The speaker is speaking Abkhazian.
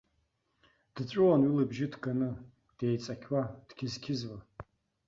Дҵәуон уи лыбжьы ҭганы, деиҵақьуа, дқьызқьызуа.